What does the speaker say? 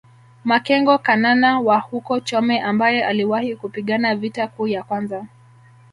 Makengo Kanana wa huko Chome ambaye aliwahi kupigana vita kuu ya kwanza